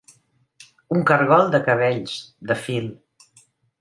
Un cargol de cabells, de fil.